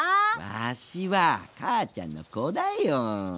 ワシは母ちゃんの子だよ。